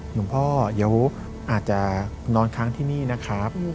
หลวงพ่อเดี๋ยวอาจจะนอนค้างที่นี่นะครับ